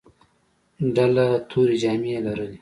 ډله تورې جامې لرلې.